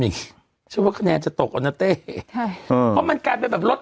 อย่างนี้ช่วยว่าคะแนนจะตกออกนะเต้เพราะมันกลายเป็นแบบลด